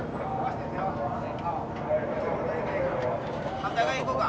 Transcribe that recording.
反対側いこうか。